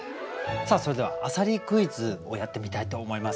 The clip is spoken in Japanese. さあそれでは浅蜊クイズをやってみたいと思います。